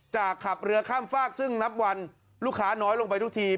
ขับเรือข้ามฝากซึ่งนับวันลูกค้าน้อยลงไปทุกที